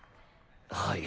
はい。